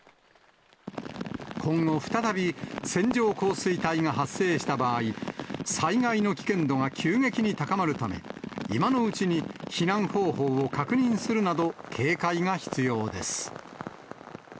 今後、再び線状降水帯が発生した場合、災害の危険度が急激に高まるため、今のうちに避難方法を確認するなど、警戒が必要です。